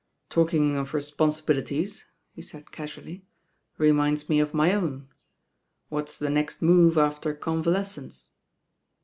^^ "Talking of responsibilities," he said casuaUy, rcmmds me of my own. What's the next move after conv^alesccnce?"